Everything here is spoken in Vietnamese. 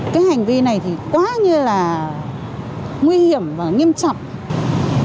cái hành vi này thì quá như là nguy hiểm và nghiêm trọng